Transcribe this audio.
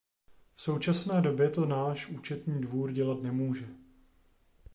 V současné době to náš Účetní dvůr dělat nemůže.